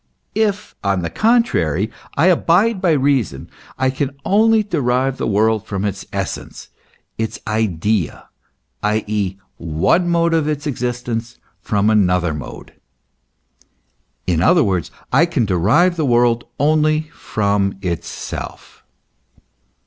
If, on the contrary, I abide by reason, I can only derive the world from its essence, its idea, i.e., one mode of its existence from another mode ; in other words, I can derive the world only from itself.